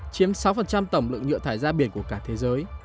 chiếm sáu tổng lượng nhựa thải ra biển của cả thế giới